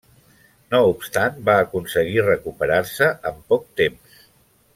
No obstant va aconseguir recuperar-se en poc temps.